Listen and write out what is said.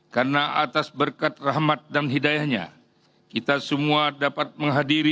karena atas berkat rahmat dan hidayahnya kita semua dapat menghadiri